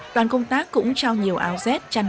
đoàn công tác cũng trao nhiều áo dép chăn